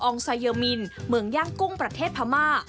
ไซเยอร์มินเมืองย่างกุ้งประเทศพม่า